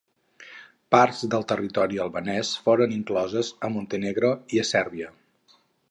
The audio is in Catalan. Parts del territori albanès foren incloses a Montenegro i a Sèrbia.